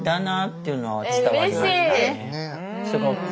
すごく。